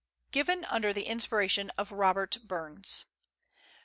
[Given under the inspiration of Robert Burns.